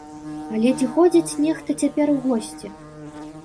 Але ці ходзіць нехта цяпер у госці?